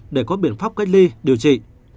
để có biện pháp cách ly điều trị